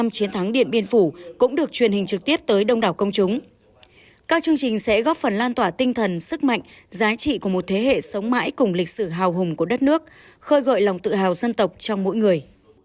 các chương trình sẽ góp phần lan tỏa tinh thần sức mạnh giá trị của một thế hệ sống mãi cùng lịch sử hào hùng của đất nước khơi gọi lòng tự hào dân tộc trong mỗi người